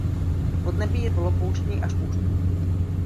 Podnebí je zde polopouštní až pouštní.